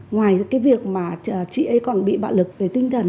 ngoài cái việc mà chị ấy còn bị bạo lực về tinh thần